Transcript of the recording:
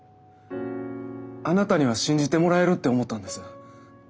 あなたには信じてもらえるって思ったんです。